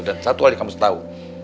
dan satu hal yang kamu harus tahu